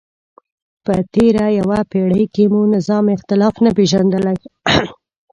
په تېره یوه پیړۍ کې مو نظام اختلاف نه پېژندلی.